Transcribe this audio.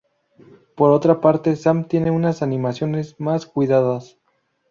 Por otra parte, Sam tiene unas animaciones más cuidadas.